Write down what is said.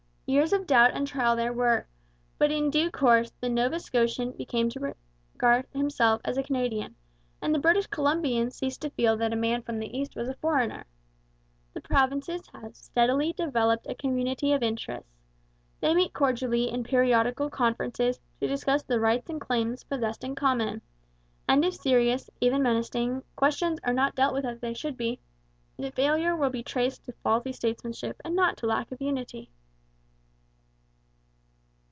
Years of doubt and trial there were, but in due course the Nova Scotian came to regard himself as a Canadian and the British Columbian ceased to feel that a man from the East was a foreigner. The provinces have steadily developed a community of interest. They meet cordially in periodical conferences to discuss the rights and claims possessed in common, and if serious, even menacing, questions are not dealt with as they should be, the failure will be traced to faulty statesmanship and not to lack of unity.